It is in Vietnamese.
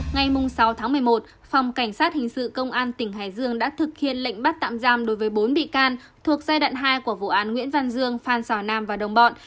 ngày sáu tháng một mươi một phòng cảnh sát hình sự công an tỉnh hải dương đã thực hiện lệnh bắt tạm giam đối với bốn bị can thuộc giai đoạn hai của vụ án nguyễn văn dương phan xào nam và đồng bọn